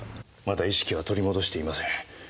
まだ意識は取り戻していません。